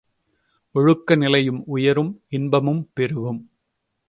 ஒழுக்க நிலையும் உயரும் இன்பமும் பெருகும்.